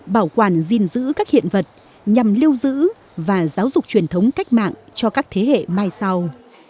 bảo quản gìn giữ các hiện vật nhằm lưu giữ và giáo dục truyền thống cách mạng cho các thế hệ mai sau